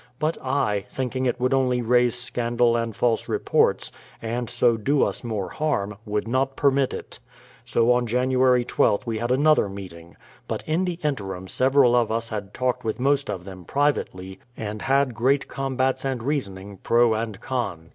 But I, thinking it would only raise scandal and false reports, and so do us more harm, would not permit it. So on Jan. 12th we had another meet ing. But in the interim several of us had talked with most of them privately, and had great combats and reasoning, pro and con.